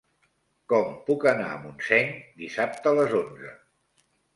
Com puc anar a Montseny dissabte a les onze?